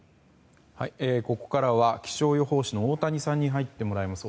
ここからは気象予報士の太谷さんに入ってもらいます。